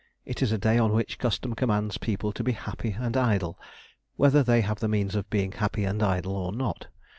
It is a day on which custom commands people to be happy and idle, whether they have the means of being happy and idle or not.